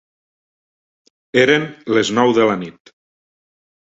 Eren les nou de la nit.